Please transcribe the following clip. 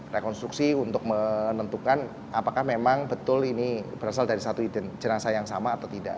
rekonstruksi untuk menentukan apakah memang betul ini berasal dari satu jenazah yang sama atau tidak